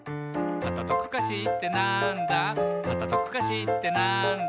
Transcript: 「パタトクカシーーってなんだ？」